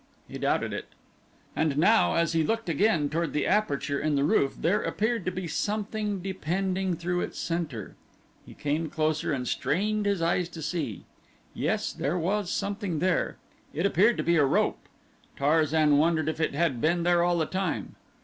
He doubted it. And now as he looked again toward the aperture in the roof there appeared to be something depending through its center. He came closer and strained his eyes to see. Yes, there was something there. It appeared to be a rope. Tarzan wondered if it had been there all the time.